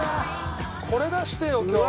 これ出してよ今日。